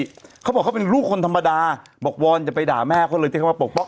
เขาบอกเขาเป็นลูกคนธรรมดาบอกวอนอย่าไปด่าแม่เขาเลยที่เขามาปกป้อง